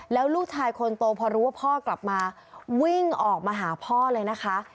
แล้วลูกชายคนโตพอรู้ว่าพ่อกลับมาวิ่งออกมาหาพ่อเลยนะคะ